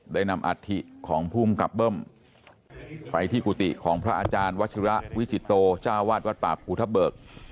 ได้นำอัฐิของภูมิกับเบิ้มไปที่กุฏิของพระอาจารย์วัชิระวิจิตโตจ้าวาดวัดป่าภูทะเบิก